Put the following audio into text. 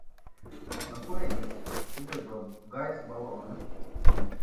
No kurienes izlido gaisa baloni?